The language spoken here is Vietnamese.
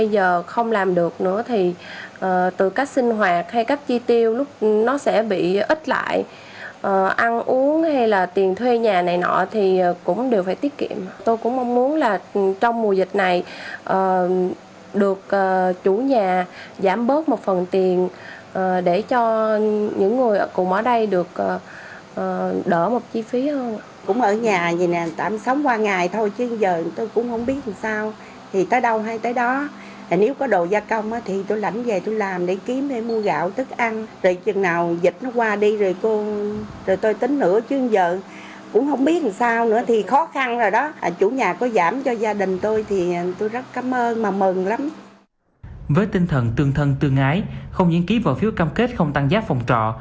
với tinh thần tương thân tương ái không những ký vợ phiếu cam kết không tăng giá phòng trọ